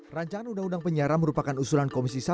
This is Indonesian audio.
rancangan undang undang penyiaran merupakan usulan komisi satu